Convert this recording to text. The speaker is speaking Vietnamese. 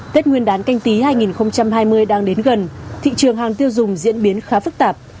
tết nguyên đán canh tí hai nghìn hai mươi đang đến gần thị trường hàng tiêu dùng diễn biến khá phức tạp